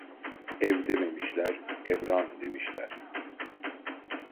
Ev dememişler, evran demişler.